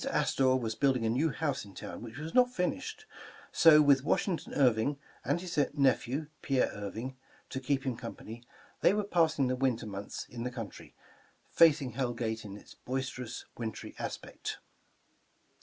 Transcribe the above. Astor was build ing a new house in town which was not finished, so with Washington Irving and his nephew Pierre Irving, to keep him company, they were passing the winter 288 <v ^JfSw *!^^^^:/».:% ^W^n. '%. Writing Astoria months in the country, facing Hell Gate in its boister ous wintry aspect.